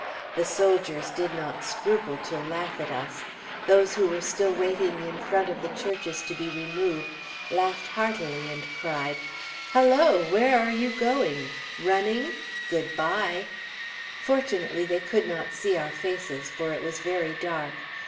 The soldiers did not scruple to laugh at us. Those who were still waiting in front of the churches to be removed laughed heartily, and cried, "Hello! Where are you going? Running? Good bye!" Fortunately they could not see our faces, for it was very dark.